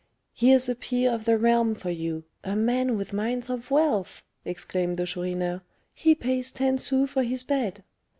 "Here's a peer of the realm for you! a man with mines of wealth!" exclaimed the Chourineur; "he pays ten sous for his bed!"